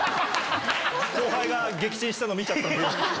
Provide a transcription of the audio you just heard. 後輩が撃沈したの見ちゃったんで。